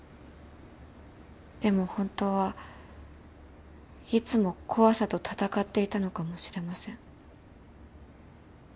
でも本当はいつも怖さと闘っていたのかもしれません。